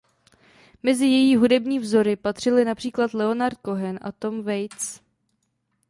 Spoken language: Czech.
Mezi její hudební vzory patřili například Leonard Cohen a Tom Waits.